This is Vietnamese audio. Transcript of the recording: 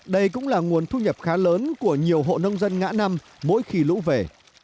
đây cũng là nguồn thu nhập khá lớn của nhiều hộ nông dân ngã năm mỗi khi lũ về